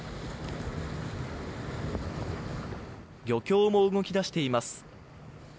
漁協も動きだしています。